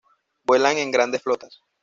Vuelan en grandes flotas.